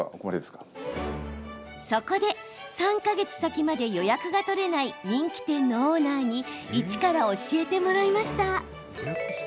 そこで３か月先まで予約が取れない人気店のオーナーにいちから教えてもらいました。